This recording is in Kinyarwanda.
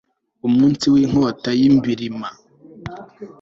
umunsi w'inkota y'i mbilima